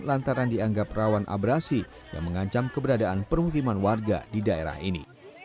lantaran dianggap rawan abrasi yang mengancam keberadaan permukiman warga di daerah ini